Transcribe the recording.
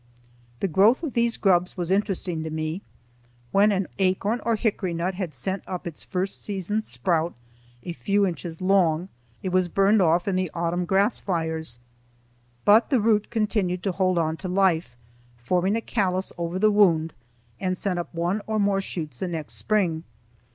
The growth of these grubs was interesting to me. When an acorn or hickory nut had sent up its first season's sprout, a few inches long, it was burned off in the autumn grass fires; but the root continued to hold on to life, formed a callus over the wound and sent up one or more shoots the next spring.